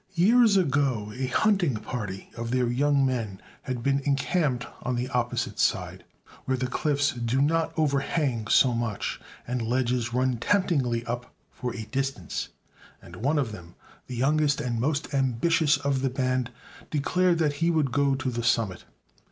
Years ago a hunting party of their young men had been encamped on the opposite side, where the cliffs do not overhang so much, and ledges run temptingly up for a distance; and one of them, the youngest and most ambitious of the band, declared that he would go to the summit.